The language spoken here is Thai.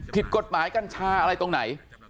ผิดกฎหมายกัญชาอะไรตรงไหน